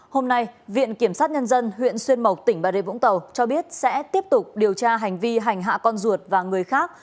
hôm nay viện kiểm sát nhân dân huyện xuyên mộc tỉnh bà rê vũng tàu cho biết sẽ tiếp tục điều tra hành vi hành hạ con ruột và người khác